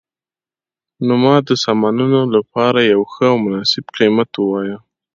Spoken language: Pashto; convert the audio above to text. نو ما د سامانونو لپاره یو ښه او مناسب قیمت وواایه